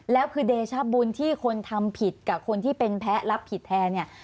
แล้วคือเดชบุญที่คนทำผิดกับคนที่เป็นแพ้รับผิดแทนเนี่ย